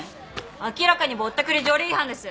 明らかにぼったくり条例違反です！